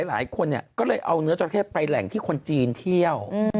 หลายคนก็เลยเอาเนื้อจราเข้ไปแหล่งที่คนจีนเที่ยว